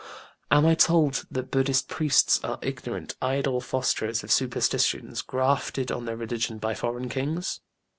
Am I told that BudĖĢdĖĢhist priests are ignorant, idle fosterers of superstitions grafted on their religion by foreign kings?